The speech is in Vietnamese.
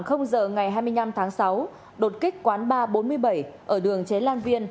khoảng giờ ngày hai mươi năm tháng sáu đột kích quán bar bốn mươi bảy ở đường chế lan viên